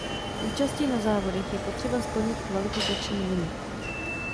K účasti na závodech je potřeba splnit kvalifikační limit.